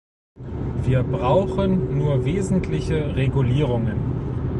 Wir brauchen nur wesentliche Regulierungen.